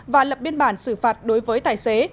và lập biên bản xử phạt đối với tài xế